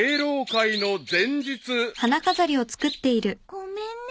ごめんね。